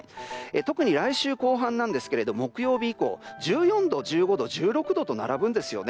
特に来週後半なんですが木曜日以降１４度、１５度、１６度と並ぶんですよね。